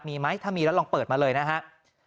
มีมั้ยถ้ามีลองเปิดมาเลยนะครับ